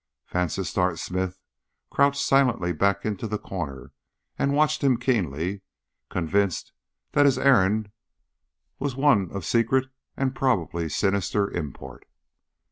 Vansittart Smith crouched silently back into the corner and watched him keenly, convinced that his errand was one of secret and probably sinister import.